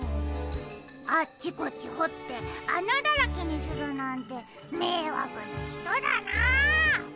あっちこっちほってあなだらけにするなんてめいわくなひとだなあ。